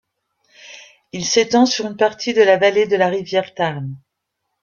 Il s'étend sur une partie de la vallée de la rivière Tarn.